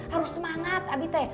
harus semangat abi teh